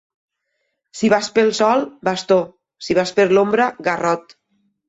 Si vas pel sol, bastó; si vas per l'ombra, garrot.